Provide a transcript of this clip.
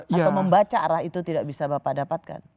atau membaca arah itu tidak bisa bapak dapatkan